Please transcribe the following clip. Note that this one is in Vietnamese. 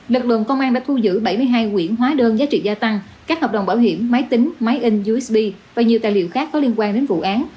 lực lượng công an đã thu giữ bảy mươi hai quyển hóa đơn giá trị gia tăng các hợp đồng bảo hiểm máy tính máy in wisb và nhiều tài liệu khác có liên quan đến vụ án